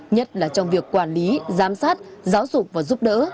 nhất là trong việc quản lý giám sát giáo dục và giúp đỡ